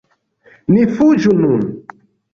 Ni fuĝu nun!